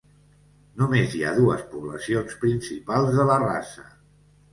Només hi ha dues poblacions principals de la raça.